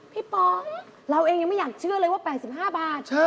ป๋องเราเองยังไม่อยากเชื่อเลยว่า๘๕บาท